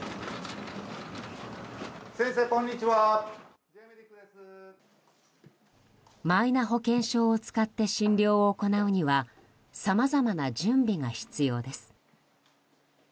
東京海上日動あんしん生命マイナ保険証を使って診療を行うにはさまざまな準備が必要です。